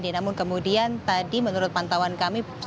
namun kemudian tadi menurut pantauan kami